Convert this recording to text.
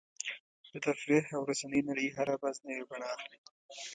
د تفریح او رسنیو نړۍ هره ورځ نوې بڼه اخلي.